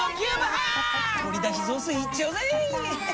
鶏だし雑炊いっちゃうぜ！